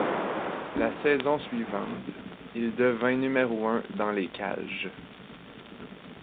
La saison suivante, il devient numéro un dans les cages.